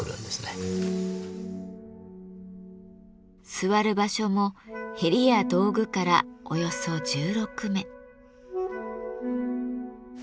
座る場所もへりや道具からおよそ１６目。